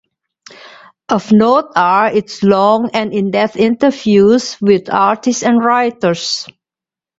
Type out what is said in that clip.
Of note are its long and in-depth interviews with artists and writers.